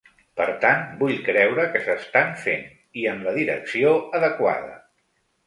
Per tant vull creure que s’estan fent i en la direcció adequada.